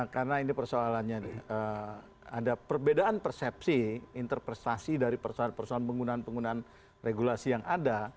karena ini persoalannya ada perbedaan persepsi interpretasi dari persoalan persoalan penggunaan penggunaan regulasi yang ada